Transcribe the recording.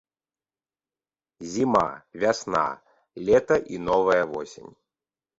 Зіма, вясна, лета і новая восень.